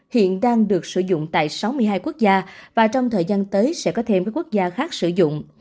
hiện đang được sử dụng tại sáu mươi hai quốc gia và trong thời gian tới sẽ có thêm các quốc gia khác sử dụng